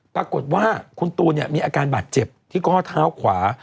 ปรากฏว่าคุณตูนมีอาการบาดเจ็บที่ข้อเท้าขวา